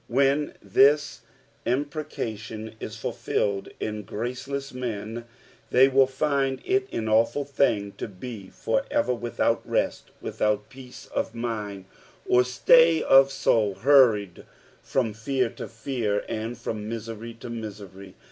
When this imprecation is fulfilled in grocelcsa men, they will find It an awful thing to be for ever without rest, without peace of mind, or Stay of soul, hurried from fear to fear, and from misery to misery.